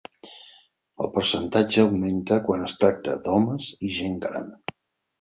El percentatge augmenta quan es tracta d'homes i gent gran.